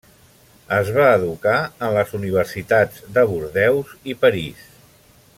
Es va educar en les universitats de Bordeus i París.